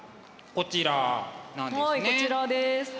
こちらです。